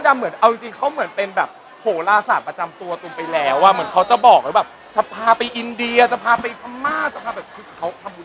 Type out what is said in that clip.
แต่เราก็เห็นข่าวว่าพี่หอมเขาก็บอกว่าไม่ได้มีปัญหาการ